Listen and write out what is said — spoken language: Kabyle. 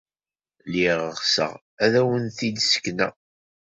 Lliɣ ɣseɣ ad awent-t-id-ssekneɣ.